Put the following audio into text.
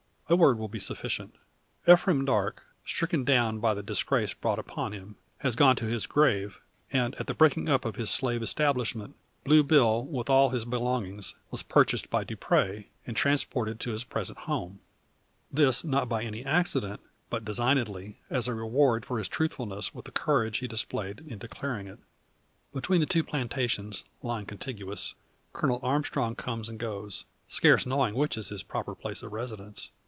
A word will be sufficient. Ephraim Darke stricken down by the disgrace brought upon him, has gone to his grave; and at the breaking up of his slave establishment, Blue Bill, with all his belongings, was purchased by Dupre, and transported to his present home. This not by any accident, but designedly; as a reward for his truthfulness, with the courage he displayed in declaring it. Between the two plantations, lying contiguous, Colonel Armstrong comes and goes, scarce knowing which is his proper place of residence.